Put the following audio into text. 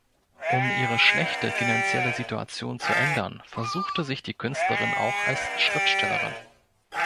Um ihre schlechte finanzielle Situation zu ändern, versuchte sich die Künstlerin auch als Schriftstellerin.